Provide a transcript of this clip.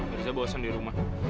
mirza bosan di rumah